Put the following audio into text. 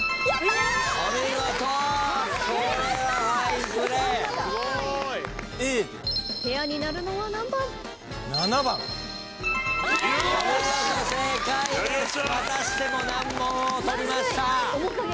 またしても難問を取りました。